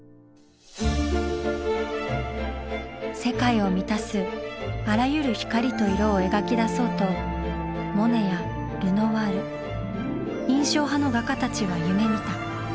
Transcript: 世界を満たすあらゆる光と色を描き出そうとモネやルノワール印象派の画家たちは夢みた。